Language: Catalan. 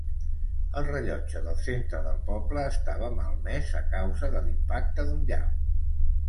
El rellotge del centre del poble estava malmès a causa de l'impacte d'un llamp.